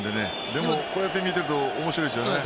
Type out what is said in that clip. でも、こうして見ていると面白いですね。